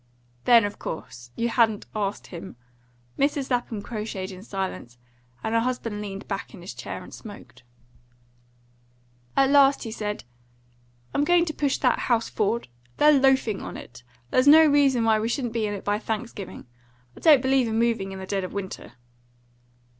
"Then, of course, you hadn't asked him." Mrs. Lapham crocheted in silence, and her husband leaned back in his chair and smoked. At last he said, "I'm going to push that house forward. They're loafing on it. There's no reason why we shouldn't be in it by Thanksgiving. I don't believe in moving in the dead of winter."